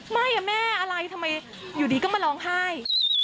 แม่อะไรทำไมอยู่ดีก็มาร้องไห้